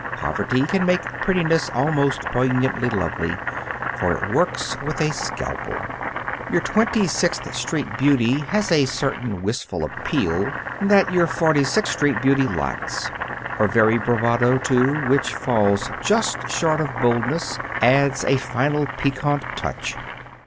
Poverty can make prettiness almost poignantly lovely, for it works with a scalpel. Your Twenty sixth Street beauty has a certain wistful appeal that your Forty sixth Street beauty lacks; her very bravado, too, which falls just short of boldness, adds a final piquant touch.